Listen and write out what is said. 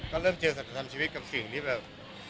ก็เริ่มเจอศักดรรมชีวิตกับสิ่งนี้แบบ